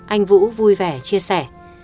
anh vũ vui vẻ chia sẻ